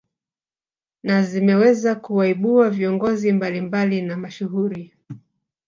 Na zimeweza kuwaibua viongozi mablimbali na mashuhuri